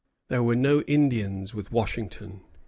There were no Indians with Washington.